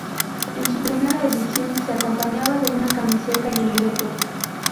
En su primera edición, se acompañaba de una camiseta del grupo.